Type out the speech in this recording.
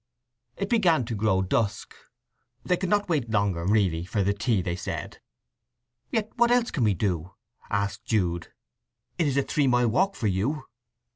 It began to grow dusk. They could not wait longer, really, for the tea, they said. "Yet what else can we do?" asked Jude. "It is a three mile walk for you."